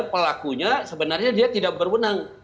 pelakunya sebenarnya dia tidak berwenang